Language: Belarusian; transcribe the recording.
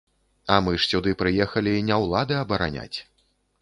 А мы ж сюды прыехалі не ўлады абараняць.